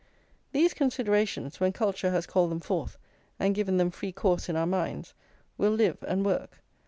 These considerations, when culture has called them forth and given them free course in our minds, will live and work.